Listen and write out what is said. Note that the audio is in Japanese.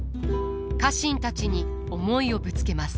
家臣たちに思いをぶつけます。